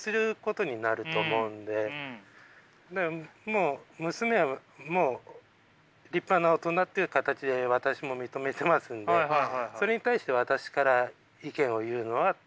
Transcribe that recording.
もう娘も立派な大人っていう形で私も認めてますんでそれに対して私から意見を言うのは。